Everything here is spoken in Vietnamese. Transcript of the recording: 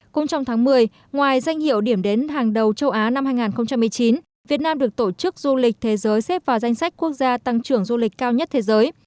cũng trong tháng một mươi ngoài danh hiệu điểm đến hàng đầu châu á năm hai nghìn một mươi chín việt nam được tổ chức du lịch thế giới xếp vào danh sách quốc gia tăng trưởng du lịch cao nhất thế giới